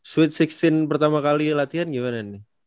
sweet enam belas pertama kali latihan gimana nih